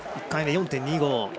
１回目、４．２５。